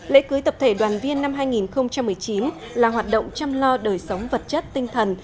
lễ cưới tập thể đoàn viên năm hai nghìn một mươi chín là hoạt động chăm lo đời sống vật chất tinh thần